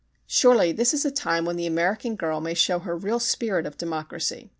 Surely this is a time when the American girl may show her real spirit of democracy.